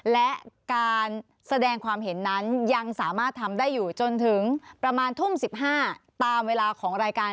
และการแสดงความเห็นนั้นยังสามารถทำได้อยู่จนถึงประมาณทุ่ม๑๕ตามเวลาของรายการ